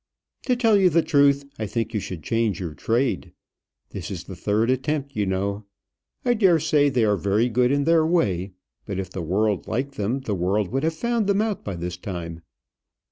"To tell you the truth, I think you should change your trade. This is the third attempt, you know. I dare say they are very good in their way; but if the world liked them, the world would have found it out by this time.